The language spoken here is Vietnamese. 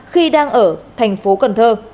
khi đang ở thành phố cần thơ